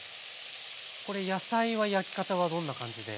これ野菜は焼き方はどんな感じで？